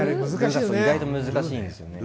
意外と難しいんですよね。